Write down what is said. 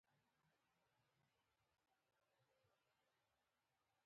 د پلار خبرې تل حقیقت لري.